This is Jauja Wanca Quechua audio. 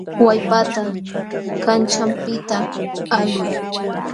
Wallpata kanćhanpiqta alquy.